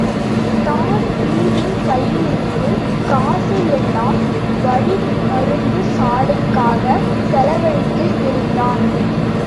Dan Breen கையிலிருந்த காசையெல்லாம் வெடிமருந்துச் சாலைக்காகச் செலவழித்திருந்தான்.